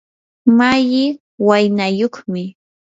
malli waynayuqmi.